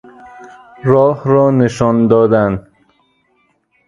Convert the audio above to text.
راه را نشان دادن